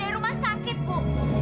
dari rumah sakit bu